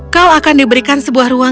kau akan diberikan sebuah ruangan